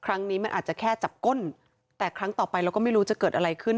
ครั้งนี้มันอาจจะแค่จับก้นแต่ครั้งต่อไปเราก็ไม่รู้จะเกิดอะไรขึ้น